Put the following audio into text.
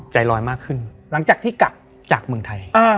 ใจลอยมากขึ้นหลังจากที่กลับจากเมืองไทย